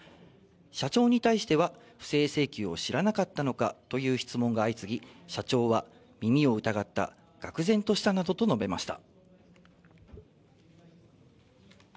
社長に対しては不正請求を知らなかったのかという質問が相次ぎ、社長は耳を疑った、がく然としたなどと述べました。